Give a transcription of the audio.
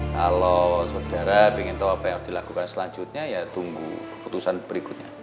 kalau saudara ingin tahu apa yang harus dilakukan selanjutnya ya tunggu keputusan berikutnya